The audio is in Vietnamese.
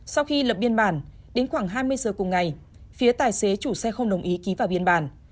sau khi lập biên bản đến khoảng hai mươi giờ cùng ngày phía tài xế chủ xe không đồng ý ký vào biên bản